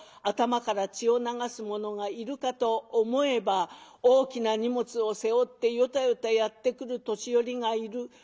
頭から血を流す者がいるかと思えば大きな荷物を背負ってヨタヨタやって来る年寄りがいる。